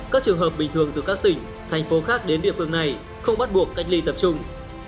các trường hợp bình thường từ các tỉnh thành phố khác đến địa phương này không bắt buộc cách ly tập trung